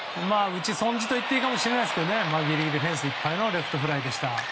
打ち損じといっていいかもしれませんけどギリギリフェンスいっぱいのレフトフライでした。